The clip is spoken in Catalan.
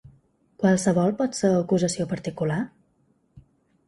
Qualsevol pot ser acusació particular?